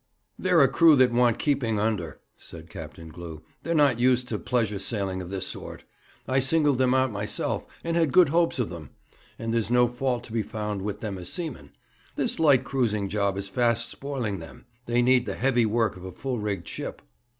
'They're a crew that want keeping under,' said Captain Glew. 'They're not used to pleasure sailing of this sort. I singled them out myself, and had good hopes of them, and there's no fault to be found with them as seamen. This light cruising job is fast spoiling them. They need the heavy work of a full rigged ship.'